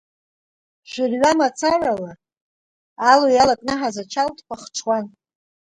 Шәы-рҩа мацарала алҩа иалакнаҳаз ачалтқәа хҽуан.